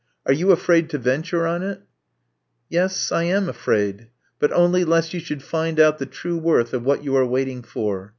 Are you afraid to venture on it?" •*Yes, I am afraid; but only lest you should find out the true worth of what you are waiting for.